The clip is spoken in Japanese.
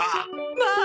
まあ！